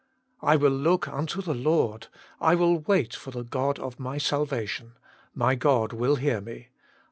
"I will look unto the Lord; I will wait for the God of my salvation: my God will hear me."